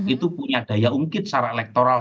itu punya daya ungkit secara elektoral